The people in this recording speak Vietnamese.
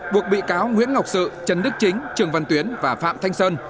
buộc bị cáo nguyễn ngọc sự trần đức chính trường văn tuyến và phạm thanh sơn